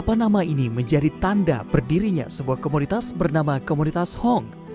nama ini menjadi tanda berdirinya sebuah komunitas bernama komunitas hong